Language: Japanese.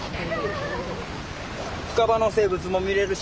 深場の生物も見れるし